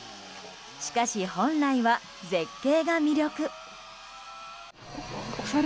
しかし、本来は絶景が魅力。